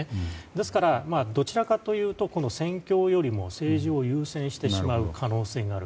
ですから、どちらかというと戦況よりも政治を優先してしまう可能性がある。